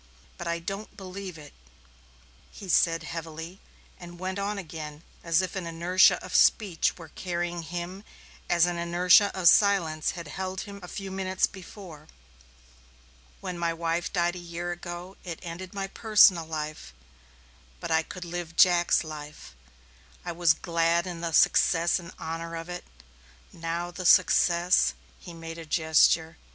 But I don't believe it," he said heavily, and went on again as if an inertia of speech were carrying him as an inertia of silence had held him a few minutes before. "When my wife died a year ago it ended my personal life, but I could live Jack's life. I was glad in the success and honor of it. Now the success " he made a gesture.